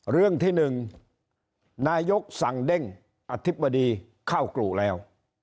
เรื่องที่๑นายกสั่งเด้งอธิบดีเข้ากรุแล้ว